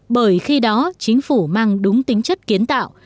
bởi khi đó chính phủ mang đúng tính chất kiến tạo